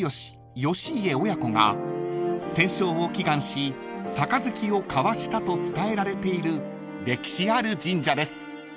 親子が戦勝を祈願し杯を交わしたと伝えられている歴史ある神社です］